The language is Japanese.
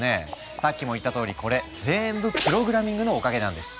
さっきも言ったとおりこれぜんぶプログラミングのおかげなんです。